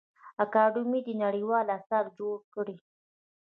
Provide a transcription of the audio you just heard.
اکاډمي دي نړیوال اثار جوړ کړي.